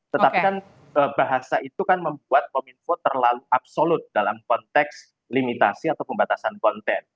tetapi kan bahasa itu kan membuat kominfo terlalu absolut dalam konteks limitasi atau pembatasan konten